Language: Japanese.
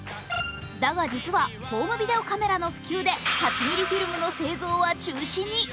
だが実はホームビデオカメラの普及で８ミリフィルムのカメラは製造中止に。